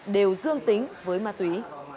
đều dương tính với ma túy